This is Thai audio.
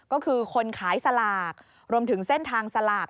ก็คือคนขายสลากรวมถึงเส้นทางสลาก